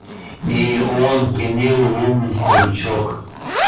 И он премилый, умный старичок.